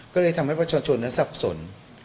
ก็เลยทำให้ประชาชนนั้นสับสน